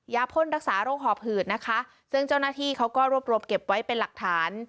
พ่นรักษาโรคหอบหืดนะคะซึ่งเจ้าหน้าที่เขาก็รวบรวมเก็บไว้เป็นหลักฐาน